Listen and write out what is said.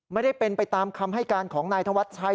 ไม่ได้เป็นไปตามคำให้การของนายธวัชชัย